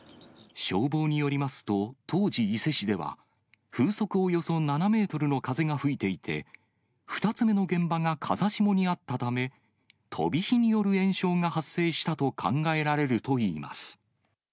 消防によりますと、当時、伊勢市では風速およそ７メートルの風が吹いていて、２つ目の現場が風下にあったため、飛び火による延焼が発生したと考えられるといいます。